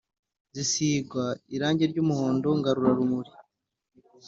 zisigwa irangi ry'umuhondo ngarurarumuri.